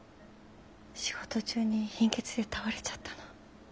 仕事中に貧血で倒れちゃったの。